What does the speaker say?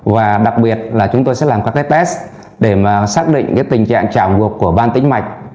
và đặc biệt là chúng tôi sẽ làm các test để xác định tình trạng trào ngược của ban tĩnh mạch